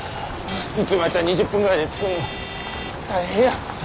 いつもやったら２０分ぐらいで着くのに大変や。